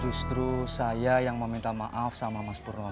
justru saya yang meminta maaf sama mas purno